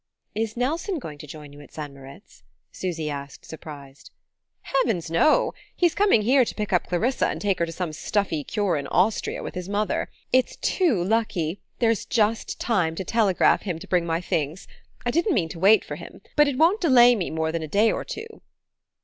"Is Nelson going to join you at St. Moritz?" Susy asked, surprised. "Heavens, no! He's coming here to pick up Clarissa and take her to some stuffy cure in Austria with his mother. It's too lucky: there's just time to telegraph him to bring my things. I didn't mean to wait for him; but it won't delay me more than day or two."